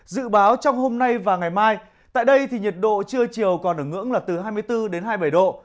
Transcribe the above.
dự báo trong hôm nay và ngày mai tại đây thì nhiệt độ trưa chiều còn ở ngưỡng là từ hai mươi bốn đến hai mươi bảy độ